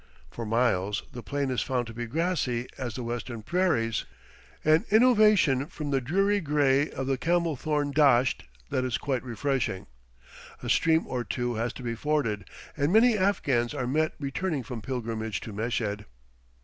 For miles the plain is found to be grassy as the Western prairies; an innovation from the dreary gray of the camel thorn dasht that is quite refreshing. A stream or two has to be forded, and many Afghans are met returning from pilgrimage to Meshed.